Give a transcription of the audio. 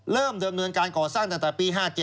เริ่มดำเนินการก่อสร้างตั้งแต่ปี๕๗